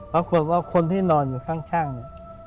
ปรากฏว่าคนที่นอนอยู่ข้างเนี่ย